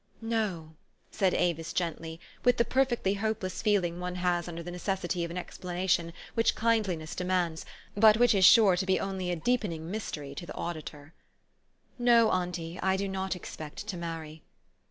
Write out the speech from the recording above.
"No," said Avis gently, with the perfectly hope less feeling one has under the necessity of an ex planation which kindliness demands, but which is sure to be only a deepening mystery to the auditor. 176 TfiE STORY OF AVIS. " No, auntie, I do not expect to marry."